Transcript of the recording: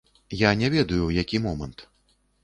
Я не ведаю, у які момант.